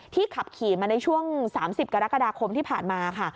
ขับขี่มาในช่วง๓๐กรกฎาคมที่ผ่านมาค่ะ